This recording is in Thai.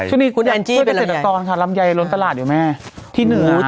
ช่วงนี้คุณเป็นลำไยลำไยล้นตลาดอยู่ไหมที่หนึ่งอ๋อ